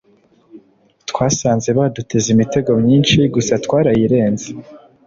Twasanze baduteze imitego myinshi gusa twarayirenze